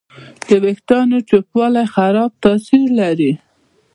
د وېښتیانو چپوالی خراب تاثیر لري.